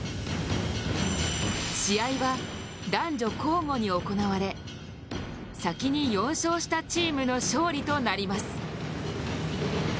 試合は男女交互に行われ、先に４勝したチームの勝利となります。